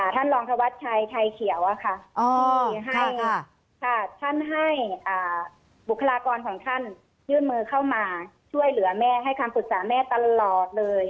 ท่านรองธวัชชัยชัยเขียวให้ท่านให้บุคลากรของท่านยื่นมือเข้ามาช่วยเหลือแม่ให้คำปรึกษาแม่ตลอดเลย